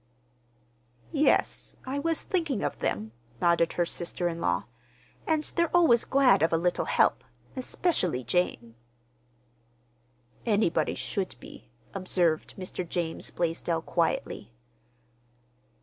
"Yes, I was thinking of them," nodded her sister in law. "And they're always glad of a little help,—especially Jane." "Anybody should be," observed Mr. James Blaisdell quietly.